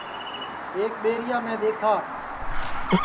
ایک ٻیریا میں دؔیکھا